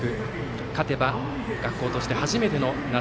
勝てば学校として初めての夏